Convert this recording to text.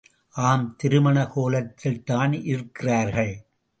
ஆம், திருமண கோலத்தில்தான் இருக்கிறார்கள்.